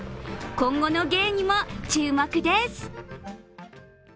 今後の芸にも注目です。